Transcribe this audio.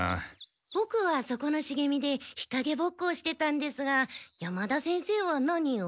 ボクはそこのしげみで日かげぼっこをしてたんですが山田先生は何を？